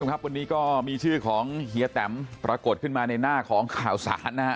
ครับวันนี้ก็มีชื่อของเฮียแตมปรากฏขึ้นมาในหน้าของข่าวสารนะฮะ